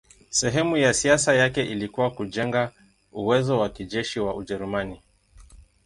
Sehemu ya siasa yake ilikuwa kujenga uwezo wa kijeshi wa Ujerumani.